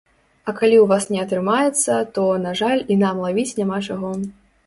А калі ў вас не атрымаецца, то, на жаль, і нам лавіць няма чаго.